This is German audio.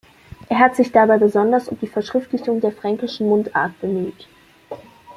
Er hat sich dabei besonders um die Verschriftlichung der Fränkischen Mundart bemüht.